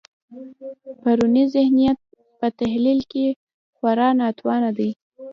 پرونی ذهنیت په تحلیل کې خورا ناتوانه دی.